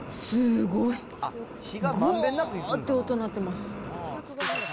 ごーって音鳴ってます。